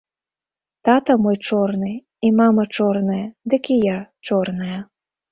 Тата мой чорны і мама чорная, дык і я чорная!